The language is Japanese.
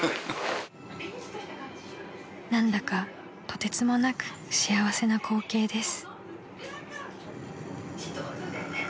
［何だかとてつもなく幸せな光景です］